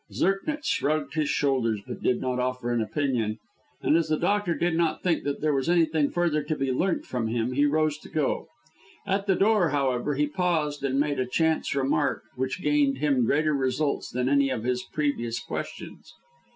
Zirknitz shrugged his shoulders, but did not offer an opinion, and as the doctor did not think that there was anything further to be learnt from him, he rose to go. At the door, however, he paused, and made a chance remark which gained him greater results than any of his previous questions.